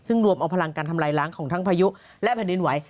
ซึ่งรวมเอาพลังการทำลายล้างของทั้งพายุและแผ่นดินไหว